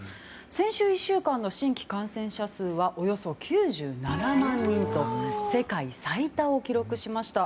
先週１週間の新規感染者数はおよそ９７万人と世界最多を記録しました。